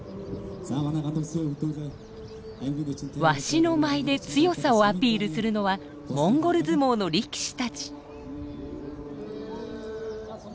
鷲の舞で強さをアピールするのはモンゴル相撲の力士たち。